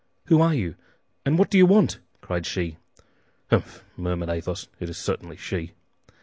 "Who are you, and what do you want?" cried she. "Humph," murmured Athos, "it is certainly she!"